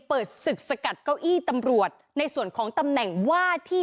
เปิดศึกสกัดเก้าอี้ตำรวจในส่วนของตำแหน่งว่าที่